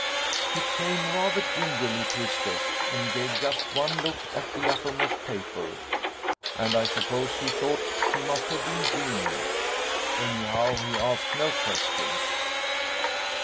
He came rather gingerly to his desk and gave just one look at the uppermost paper: and I suppose he thought he must have been dreaming: anyhow, he asked no questions.